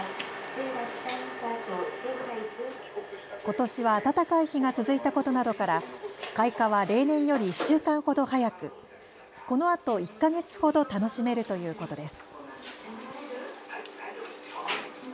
ことしは暖かい日が続いたことなどから開花は例年より１週間ほど早く、このあと１か月ほど楽しめるということです。